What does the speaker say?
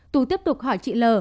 tú tiếp tục hỏi chị lờ